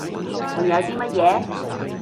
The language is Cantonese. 仲有啲乜嘢？